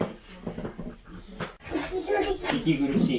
息苦しい。